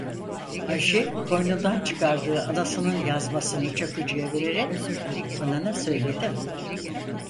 Ayşe, koynundan çıkardığı anasının yazmasını Çakıcı'ya vererek: - Anana söyledim.